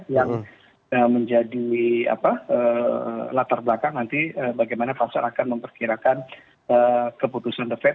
yang menjadi latar belakang nanti bagaimana pasar akan memperkirakan keputusan the fed